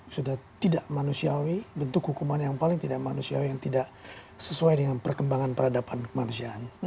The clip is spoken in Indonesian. sudah tidak manusiawi bentuk hukuman yang paling tidak manusiawi yang tidak sesuai dengan perkembangan peradaban kemanusiaan